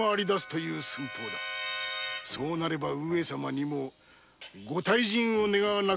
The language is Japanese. そうなれば上様にもご退陣を願わねば。